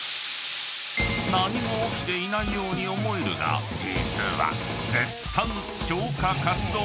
［何も起きていないように思えるが実は絶賛］